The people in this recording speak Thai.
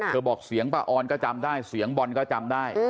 บอกเสียงป้าออนก็จำได้เสียงบอลก็จำได้